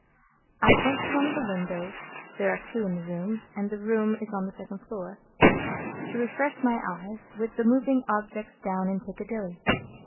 I went to one of the windows (there are two in the room, and the room is on the second floor) to refresh my eyes with the moving objects down in Piccadilly.